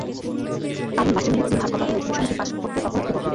কারণ, মাতৃমৃত্যুর হার কমাতে রেজ্যুলেশনটি পাস করতে তখনো একটি ভোট প্রয়োজন।